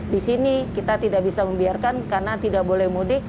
di sini kita tidak bisa membiarkan karena tidak boleh mudik